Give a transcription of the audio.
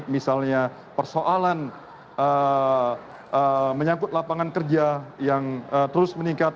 misalnya persoalan menyangkut lapangan kerja yang terus meningkat